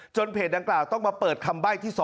เพจดังกล่าวต้องมาเปิดคำใบ้ที่๒